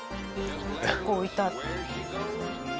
結構浮いた。